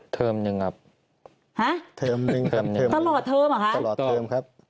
เทอมหนึ่งครับฮะเทอมหนึ่งเทอมเทอมตลอดเทอมเหรอคะตลอดเทอมครับ